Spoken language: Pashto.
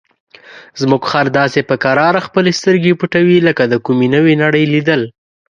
زموږ خر داسې په کراره خپلې سترګې پټوي لکه د کومې نوې نړۍ لیدل.